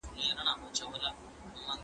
دولتونه د خپلو وګړو د خوندیتوب لپاره کار کوي.